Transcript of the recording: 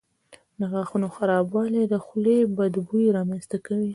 د غاښونو خرابوالی د خولې بد بوی رامنځته کوي.